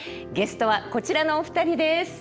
ゲストはこちらのお二人です！